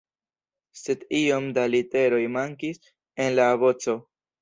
Sed iom da literoj mankis en la aboco.